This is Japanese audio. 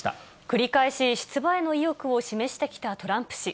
繰り返し出馬への意欲を示してきたトランプ氏。